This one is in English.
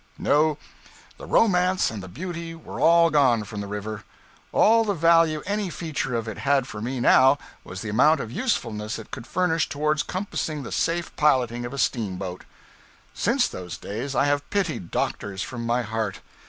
No, the romance and the beauty were all gone from the river. All the value any feature of it had for me now was the amount of usefulness it could furnish toward compassing the safe piloting of a steamboat. Since those days, I have pitied doctors from my heart.